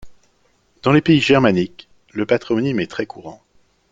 Dans les pays germaniques, le patronyme est très courant.